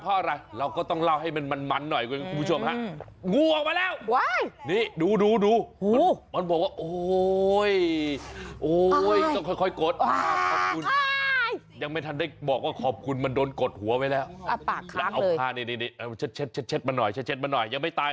เพราะอะไรเราก็ต้องเล่าให้มันมันหน่อยกับคุณผู้ชม